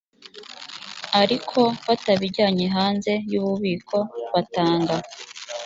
ariko batabijyanye hannze y ububiko batanga